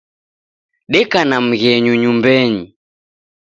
Deka na mghenyu nyumbenyi.